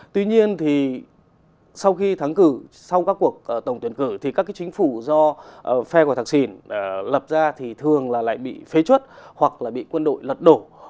tuy nhiên thì sau khi thắng cử sau các cuộc tổng tuyển cử thì các cái chính phủ do phe của thạc sìn lập ra thì thường là lại bị phế chuất hoặc là bị quân đội lật đổ